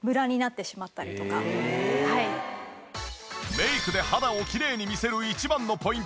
メイクで肌をきれいに見せる一番のポイント